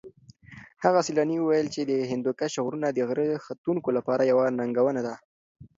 هغه سېلاني وویل چې د هندوکش غرونه د غره ختونکو لپاره یوه ننګونه ده.